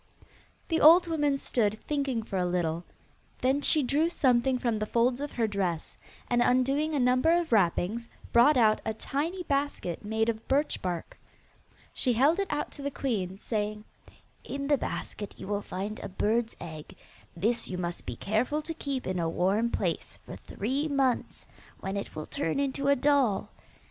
The old woman stood thinking for a little: then she drew something from the folds of her dress, and, undoing a number of wrappings, brought out a tiny basket made of birch bark. She held it out to the queen, saying, 'In the basket you will find a bird's egg. This you must be careful to keep in a warm place for three months, when it will turn into a doll.